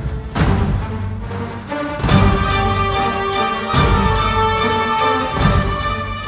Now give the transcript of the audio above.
tidak saya tidak percaya